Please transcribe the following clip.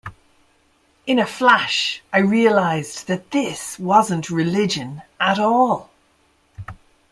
In a flash I realised that this wasn't religion at all.